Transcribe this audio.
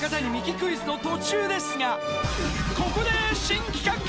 クイズの途中ですが、ここで新企画。